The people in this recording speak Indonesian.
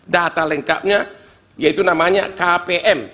data lengkapnya yaitu namanya kpm